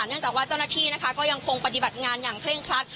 เนื่องจากว่าเจ้าหน้าที่นะคะก็ยังคงปฏิบัติงานอย่างเร่งครัด